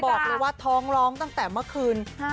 บอกเลยว่าท้องร้องตั้งแต่เมื่อคืน